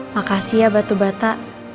makasih ya batu bata